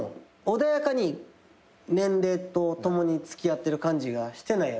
穏やかに年齢とともに付き合ってる感じがしてないやんか。